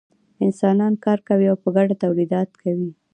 انسانان کار کوي او په ګډه تولیدات کوي.